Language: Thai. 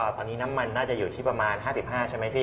ตอนนี้น้ำมันน่าจะอยู่ที่ประมาณ๕๕ใช่ไหมพี่